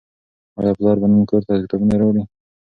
آیا پلار به نن کور ته کتابونه راوړي؟